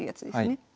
はい。